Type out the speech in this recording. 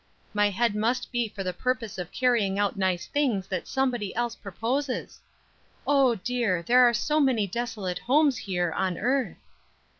my head must be for the purpose of carrying out nice things that somebody else proposes. Oh dear! there are so many desolate homes here, on earth!"